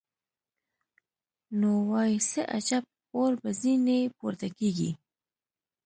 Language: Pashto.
نو وای څه عجب اور به ځینې پورته کېږي.